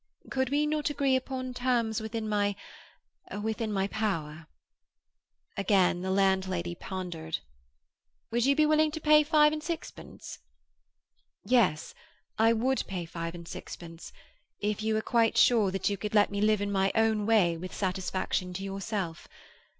Could we not agree upon terms within my—within my power?" Again the landlady pondered. "Would you be willing to pay five and sixpence?" "Yes, I would pay five and sixpence—if you are quite sure that you could let me live in my own way with satisfaction to yourself.